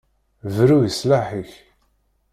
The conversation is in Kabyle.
Bru i sslaḥ-ik!